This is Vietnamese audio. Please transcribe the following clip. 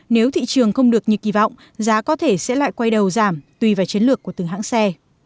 nếu thị trường không được như kỳ vọng giá có thể sẽ lại quay đầu giảm tùy vào chiến lược của từng hãng xe